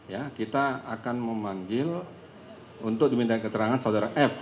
ya kita akan memanggil untuk diminta keterangan saudara f